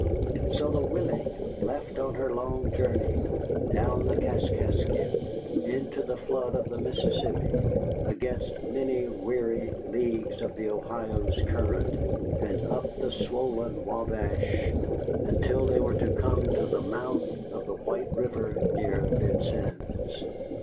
So the Willing left on her long journey: down the Kaskaskia, into the flood of the Mississippi, against many weary leagues of the Ohio's current, and up the swollen Wabash until they were to come to the mouth of the White River near Vincennes.